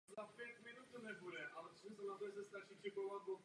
V pravé bočnici se nacházejí dvoje dveře.